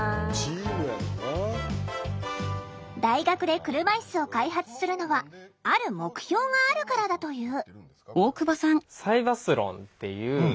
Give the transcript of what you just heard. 大学で車いすを開発するのはある目標があるからだという。